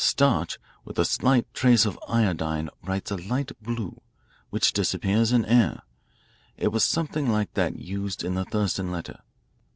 Starch with a slight trace of iodine writes a light blue, which disappears in air. It was something like that used in the Thurston letter.